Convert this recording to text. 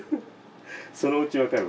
そのうち分かるわ。